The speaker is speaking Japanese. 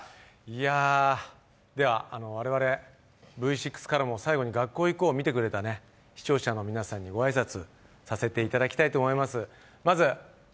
では、我々、Ｖ６からも最後に「学校へ行こう！」を見てくれた視聴者の皆さんにご挨拶させていただきたいと思います。